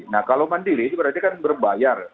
nah kalau mandiri itu berarti kan berbayar